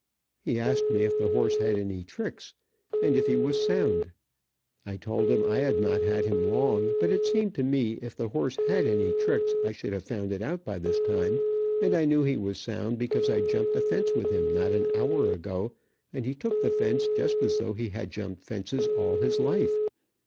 He asked me if the horse had any tricks, and if he was sound. I told him I had not had him long, but it seemed to me if the horse had any tricks I should have found it out by this time, and I knew he was sound, because I jumped a fence with him not an hour ago, and he took the fence just as though he had jumped fences all his life.